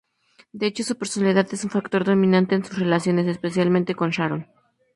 De hecho, su personalidad es un factor dominante en sus relaciones, especialmente con Shaoran.